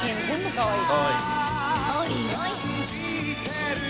かわいい。